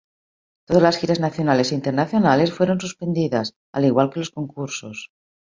Todas las giras nacionales e internacionales fueron suspendidas, al igual que los concursos.